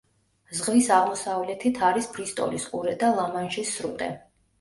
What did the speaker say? ზღვის აღმოსავლეთით არის ბრისტოლის ყურე და ლა-მანშის სრუტე.